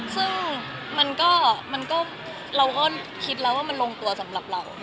ซึ่งเราก็คิดแล้วว่ามันลงตัวสำหรับเรา